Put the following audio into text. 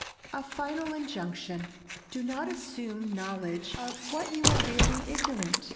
A final injunction: do not assume knowledge of what you are really ignorant.